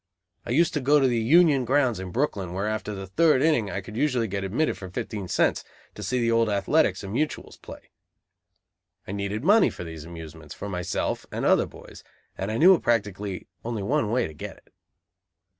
I used to go to the Union grounds in Brooklyn, where after the third inning, I could usually get admitted for fifteen cents, to see the old Athletics or Mutuals play. I needed money for these amusements, for myself and other boys, and I knew of practically only one way to get it.